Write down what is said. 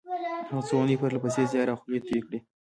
هغه څو اونۍ پرله پسې زيار او خولې تويې کړې.